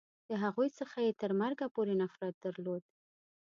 د هغوی څخه یې تر مرګه پورې نفرت درلود.